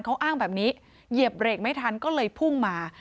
เขาอ้างแบบนี้เหยียบเบรกไม่ทันก็เลยพุ่งมา